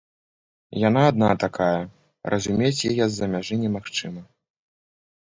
Яна адна такая, разумець яе з-за мяжы немагчыма.